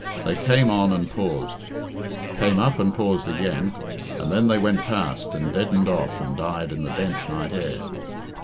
They came on and paused, came up and paused again, and then they went past and deadened off and died in the dense night air.